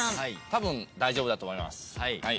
たぶん大丈夫だと思います。